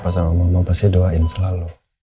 papa sama mama pasti doain selalu